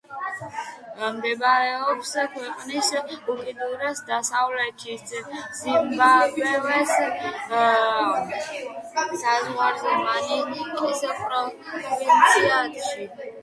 მდებარეობს ქვეყნის უკიდურეს დასავლეთში ზიმბაბვეს საზღვარზე, მანიკის პროვინციაში.